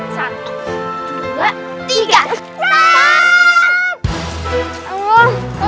satu dua tiga